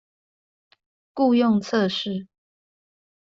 雇用測試